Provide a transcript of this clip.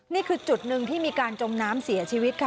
นี่คือจุดหนึ่งที่มีการจมน้ำเสียชีวิตค่ะ